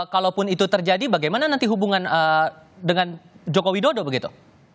kalaupun itu terjadi bagaimana nanti hubungan dengan joko widodo begitu